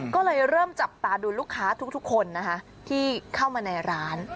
ก็เลยเริ่มจับตาดูลูกค้าทุกคนนะคะที่เข้ามาในร้าน